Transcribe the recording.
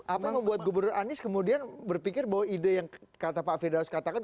apa yang membuat gubernur anies kemudian berpikir bahwa ide yang kata pak firdaus katakan